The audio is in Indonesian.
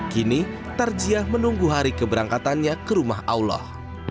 kini tarjiah menunggu hari keberangkatannya ke rumah allah